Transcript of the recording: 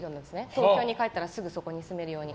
東京に帰ったらすぐそこに住めるように。